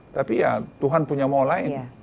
tapi ya tuhan punya mau lain